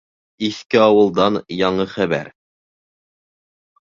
Иҫке ауылдан яңы хәбәр.